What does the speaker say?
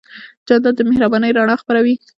جانداد د مهربانۍ رڼا خپروي.